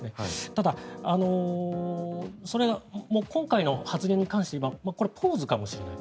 ただ、それが今回の発言に関してはポーズかもしれない。